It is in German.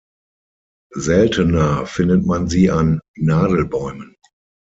Seltener findet man sie an Nadelbäumen.